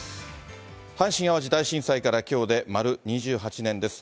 阪神・淡路大震災からきょうで丸２８年です。